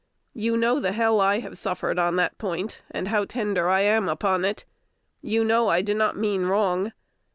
You know the hell I have suffered on that point, and how tender I am upon it. You know I do not mean wrong.